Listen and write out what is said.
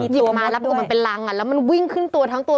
หยิบมาแล้วตัวมันเป็นรังแล้วมันวิ่งขึ้นตัวทั้งตัว